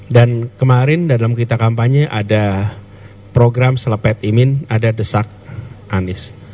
dan kemarin dalam kita kampanye ada program selepet imin ada desak anies